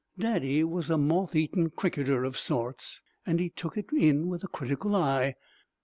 Daddy was a moth eaten cricketer of sorts, and he took it in with a critical eye.